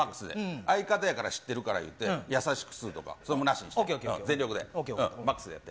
相方やから知ってるからいって、優しくするとか、それもなしにして、全力でマックスでやって。